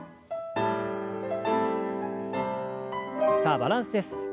さあバランスです。